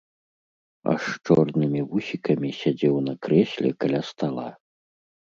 А з чорнымі вусікамі сядзеў на крэсле каля стала.